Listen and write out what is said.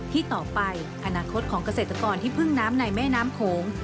ที่ต่อไปอนาคตของเกษตรกรที่พึ่งน้ำในแม่น้ำโขง